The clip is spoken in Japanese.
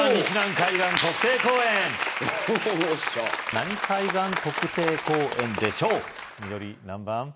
何海岸国定公園でしょう緑何番？